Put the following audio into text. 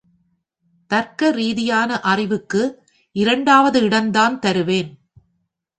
தர்க்க ரீதியான அறிவுக்கு இரண்டாவது இடந்தான் தருவேன்.